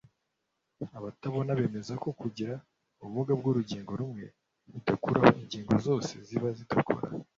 Abatabona bemeza ko kugira ubumuga bw’urugingo rumwe bidakuraho ko ingingo zose ziba zidakora